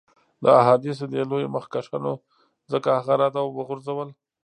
د احادیثو دې لویو مخکښانو ځکه هغه رد او وغورځول.